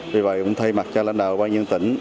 vì vậy thay mặt cho lãnh đạo ủy ban nhân dân tỉnh